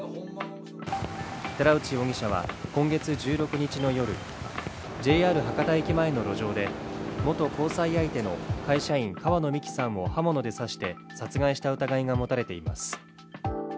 寺内容疑者は今月１６日の夜ＪＲ博多駅前の路上で元交際相手の会社員・川野美樹さんを刃物で刺して殺害した疑いが持たれています。